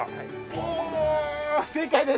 おお正解です！